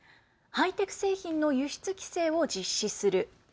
ハイテク製品の輸出規制を実施する。